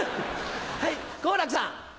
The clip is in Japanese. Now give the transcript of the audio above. はい好楽さん。